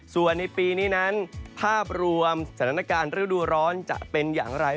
ส่วนในปีนี้นั้นภาพรวมสถานการณ์ฤดูร้อนจะเป็นอย่างไร